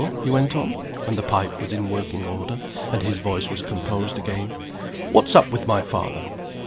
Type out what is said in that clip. he went on, when the pipe was in working order, and his voice was composed again: "What's up with my father?"